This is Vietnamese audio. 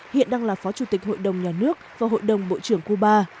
hiện đang là phó chủ tịch hội đồng nhà nước và hội đồng bộ trưởng cuba